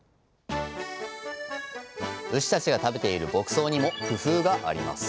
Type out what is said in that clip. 牛たちが食べている牧草にも工夫があります